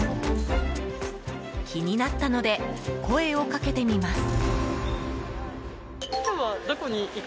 気になったので声をかけてみます。